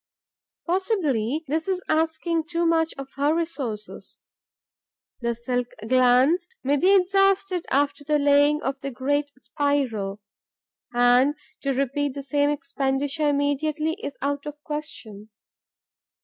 Possibly this is asking too much of her resources. The silk glands may be exhausted after the laying of the great spiral; and to repeat the same expenditure immediately is out of the question.